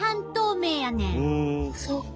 そっか。